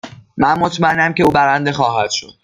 من مطمئنم که او برنده خواهد شد.